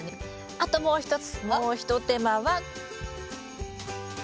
あともう一つもう一手間は。